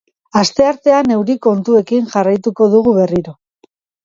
Asteartean euri kontuekin jarraituko dugu berriro.